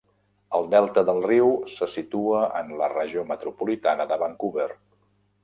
El delta del riu se situa en la regió metropolitana de Vancouver.